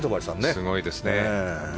すごいですね。